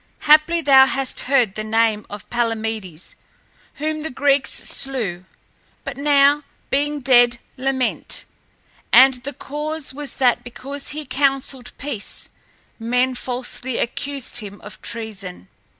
Haply thou hast heard the name of Palamedes, whom the Greeks slew, but now, being dead, lament; and the cause was that because he counseled peace, men falsely accused him of treason.